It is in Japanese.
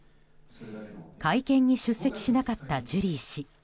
会見に出席しなかったジュリー氏。